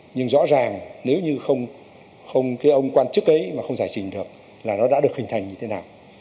nhưng rõ ràng nếu như không không cái ông quan chức ấy mà không giải trình được là nó đã được hình thành như thế nào